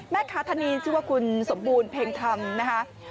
แม่ค้าทานีชื่อว่าคุณสมบูรณ์เพ็งธรรมนะคะ